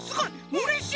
うれしい！